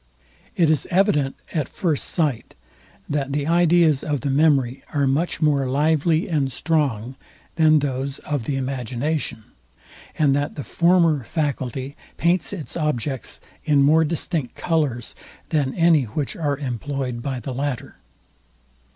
It is evident at first sight, that the ideas of the memory are much more lively and strong than those of the imagination, and that the former faculty paints its objects in more distinct colours, than any which are employed by the latter.